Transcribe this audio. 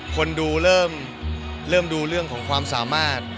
คนดูเริ่มดูเรื่องของความสามารถ